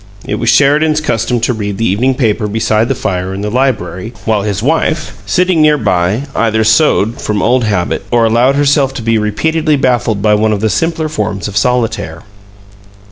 It was Sheridan's custom to read the evening paper beside the fire in the library, while his wife, sitting near by, either sewed (from old habit) or allowed herself to be repeatedly baffled by one of the simpler forms of solitaire.